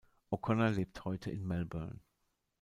O'Connor lebt heute in Melbourne.